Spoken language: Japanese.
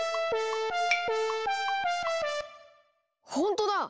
ほんとだ！